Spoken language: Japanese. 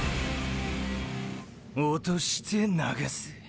落として流す。